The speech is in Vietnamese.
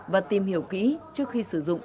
và tìm hiểu kỹ trước khi sử dụng